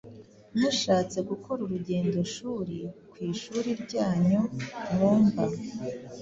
Mushatse gukora urugendoshuri ku ishuri ryanyu mwumva